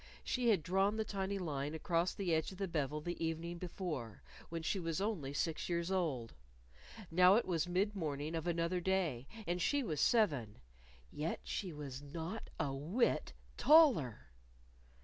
She had drawn the tiny line across the edge of the bevel the evening before, when she was only six years old; now it was mid morning of another day, and she was seven _yet she was not a whit taller!